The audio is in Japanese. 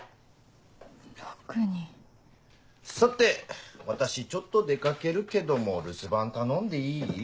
さて私ちょっと出掛けるけども留守番頼んでいい？